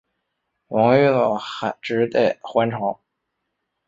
王玉藻只得还朝。